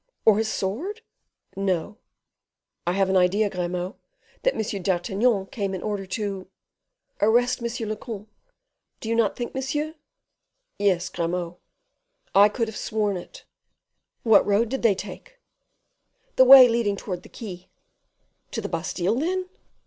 "Or his sword?" "No." "I have an idea, Grimaud, that M. d'Artagnan came in order to " "Arrest monsieur le comte, do you not think, monsieur?" "Yes, Grimaud." "I could have sworn it." "What road did they take?" "The way leading towards the quay." "To the Bastile, then?"